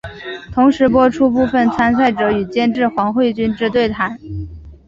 同时播出部分参赛者与监制黄慧君之对谈。